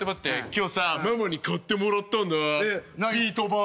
今日さママに買ってもらったんだビート板。